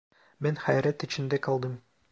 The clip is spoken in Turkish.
Ben hayret içinde kaldım.